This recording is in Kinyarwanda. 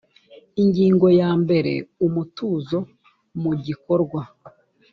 ingingo ya mbere umutuzo mu gikorwa